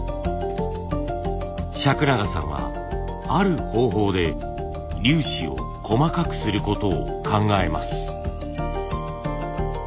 釋永さんはある方法で粒子を細かくすることを考えます。